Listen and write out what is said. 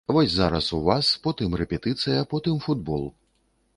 Вось зараз у вас, потым рэпетыцыя, потым футбол.